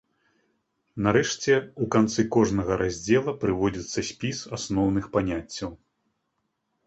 Нарэшце, у канцы кожнага раздзела прыводзіцца спіс асноўных паняццяў.